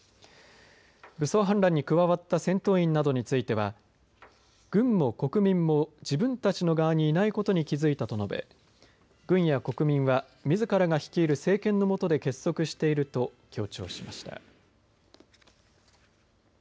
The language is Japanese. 武装反乱に加わった戦闘員などについては軍も国民も自分たちの側にいないことに気づいたと述べ軍や国民はみずからが率いる政権の下で結束していると強調しました。